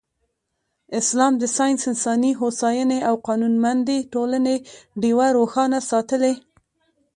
اسلام د ساینس، انساني هوساینې او قانونمندې ټولنې ډېوه روښانه ساتلې.